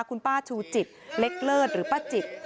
คุณป้าชูจิตเล็กเลิศหรือป้าจิต